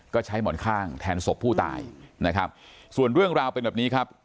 ก็ใช้หมอนข้างแทนศพผู้ตายนะครับส่วนเรื่องราวเป็นแบบนี้ครับ